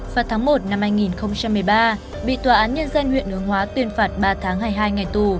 vào tháng một năm hai nghìn một mươi ba bị tòa án nhân dân huyện hướng hóa tuyên phạt ba tháng hai mươi hai ngày tù